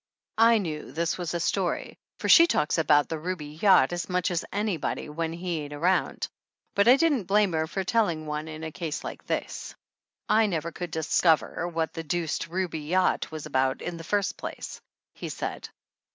I knew this was a story, for she talks about "The Ruby Yacht" as much as anybody when he ain't around, but I didn't blame her for telling one in a case like this. THE ANNALS OF ANN "I never could discover what the deuced Ruby Yacht was about, in the first place," he said.